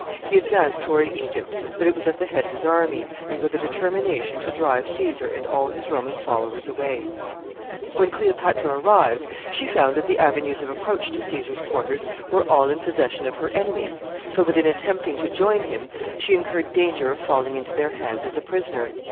He advanced toward Egypt, but it was at the head of his army, and with a determination to drive Caesar and all his Roman followers away. [Sidenote: Caesar's guilty passion for Cleopatra.] When Cleopatra arrived, she found that the avenues of approach to Caesar's quarters were all in possession of her enemies, so that, in attempting to join him, she incurred danger of falling into their hands as a prisoner.